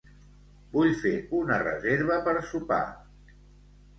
Vull fer una reserva per sopar.